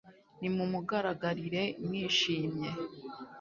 nimumugaragire mwishimye